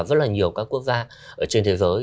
rất là nhiều các quốc gia trên thế giới